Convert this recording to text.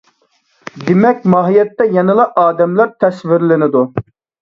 دېمەك، ماھىيەتتە يەنىلا ئادەملەر تەسۋىرلىنىدۇ.